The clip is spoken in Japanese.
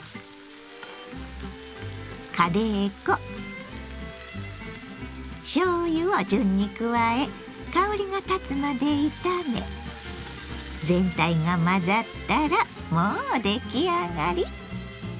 カレー粉しょうゆを順に加え香りがたつまで炒め全体が混ざったらもう出来上がり。